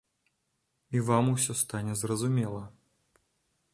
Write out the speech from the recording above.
І вам усё стане зразумела.